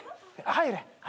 入れ。